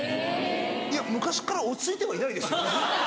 いや昔から落ち着いてはいないですよ。